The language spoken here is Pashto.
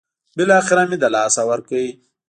بالاخره مې له لاسه ورکړ.